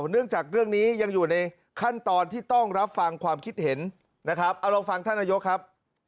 เนื่องจากเรื่องนี้ยังอยู่ในขั้นตอนที่ต้องรับฟังความคิดเห็นนะครับ